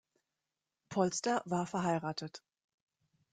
Polster war verheiratet.